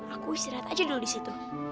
aku istirahat aja dulu disitu